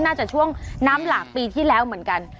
น่าจะช่วงน้ำหลากปีที่แล้วเหมือนกัน